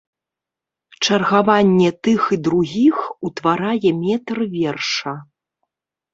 Чаргаванне тых і другіх утварае метр верша.